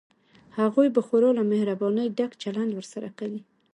هغوی به خورا له مهربانۍ ډک چلند ورسره کوي.